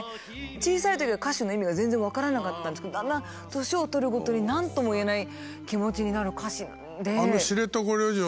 小さいときは歌詞の意味が全然分からなかったんですけどだんだん年を取るごとに何とも言えない気持ちになる歌詞なんで。